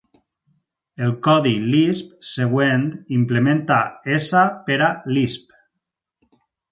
El codi Lisp següent implementa s per a Lisp.